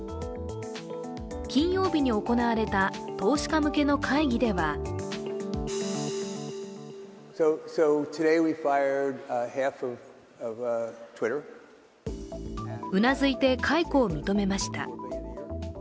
金曜日に行われた投資家向けの会議ではうなずいて解雇を認めました。